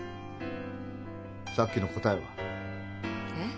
さっきの答えは？えっ？